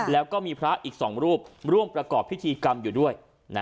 แล้วก็มีพระอีก๒รูปร่วมประกอบพิธีกรรมอยู่ด้วย